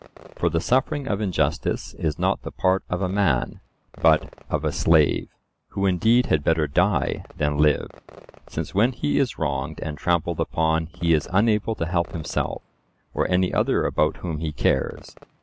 For the suffering of injustice is not the part of a man, but of a slave, who indeed had better die than live; since when he is wronged and trampled upon, he is unable to help himself, or any other about whom he cares.